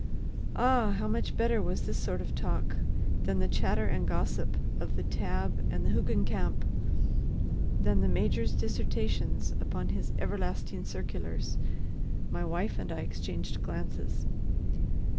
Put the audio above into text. Ah, how much better was this sort of talk than the chatter and gossip of the Tabb and the Hoogencamp—than the Major's dissertations upon his everlasting circulars! My wife and I exchanged glances.